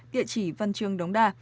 địa chỉ văn trương đồng đa